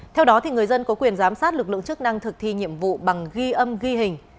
theo đó người dân có quyền giám sát lực lượng chức năng thực thi nhiệm vụ bằng ghi âm ghi hình